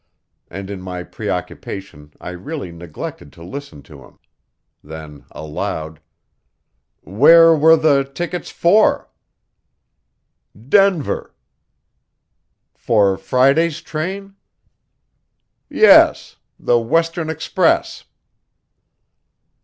And in my preoccupation I really neglected to listen to him. Then aloud: "Where were the tickets for?" "Denver." "For Friday's train?" "Yes. The Western Express."